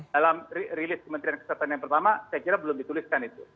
dalam rilis kementerian kesehatan yang pertama saya kira belum dituliskan itu